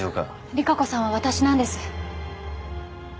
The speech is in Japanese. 利佳子さんは私なんです。